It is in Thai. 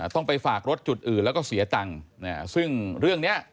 ต้องไปฝากรถจุดอื่นแล้วก็เสียตังค์ซึ่งเรื่องนี้